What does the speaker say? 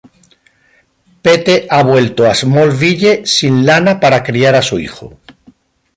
Pete ha vuelto a Smallville sin Lana para criar a su hijo.